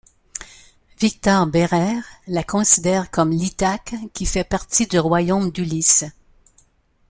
Victor Bérard la considère comme l'Ithaque qui fait partie du royaume d'Ulysse.